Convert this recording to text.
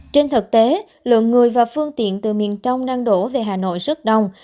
trên thực tế lượng người và phương tiện từ miền tông đăng đổ về hà nội rất đông